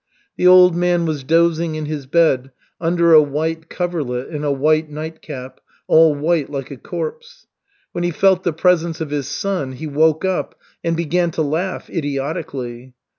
The old man was dozing in his bed, under a white coverlet, in a white nightcap, all white like a corpse. When he felt the presence of his son he woke up and began to laugh idiotically.